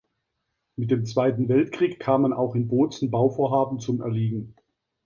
Mit dem Zweiten Weltkrieg kamen auch in Bozen Bauvorhaben zum Erliegen.